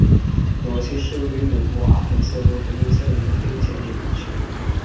罗西是位于美国阿肯色州独立县的一个非建制地区。